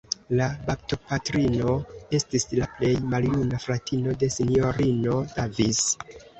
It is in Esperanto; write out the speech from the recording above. La baptopatrino estis la plej maljuna fratino de Sinjorino Davis.